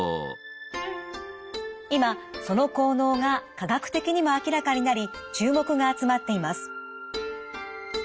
今その効能が科学的にも明らかになり注目が集まっています。